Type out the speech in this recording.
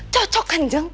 cocok kan jeng